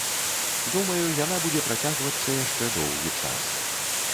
Думаю, яна будзе працягвацца яшчэ доўгі час.